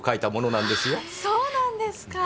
そうなんですか。